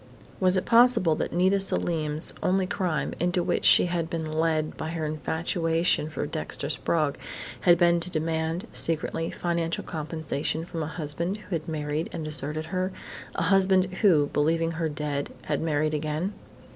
Was it possible that Nita Selim's only crime, into which she had been led by her infatuation for Dexter Sprague, had been to demand, secretly, financial compensation from a husband who had married and deserted her, a husband who, believing her dead, had married again?